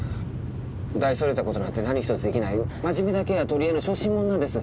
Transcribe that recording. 大それた事なんて何ひとつできない真面目だけが取り柄の小心者なんです。